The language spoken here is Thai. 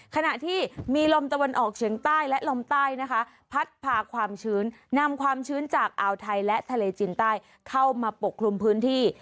ขณะที่มีลมตะวันออกเฉียงใต้และลมใต้นะคะพัดพาความชื้นนำความชื้นจากอ่าวไทยและทะเลจีนใต้เข้ามาปกคลุมพื้นที่